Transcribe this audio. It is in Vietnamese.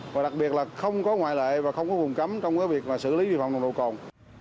và đặc biệt là không có ngoại lệ và không có vùng cấm trong việc xử lý vi phạm nồng độ cồn